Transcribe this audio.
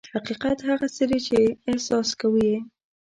حقیقت هغه څه دي چې احساس کوو یې.